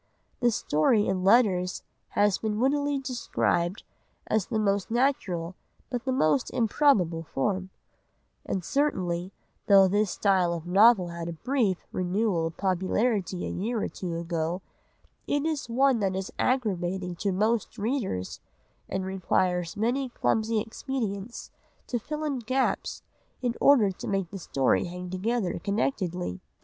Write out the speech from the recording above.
The story in letters has been wittily described as the "most natural but the most improbable" form; and certainly, though this style of novel had a brief renewal of popularity a year or two ago, it is one that is aggravating to most readers, and requires many clumsy expedients to fill in gaps in order to make the story hang together connectedly.